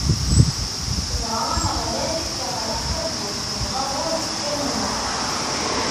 Dɣa Ameɣlal iɣleq tabburt n lbabuṛ deffir n Nuḥ.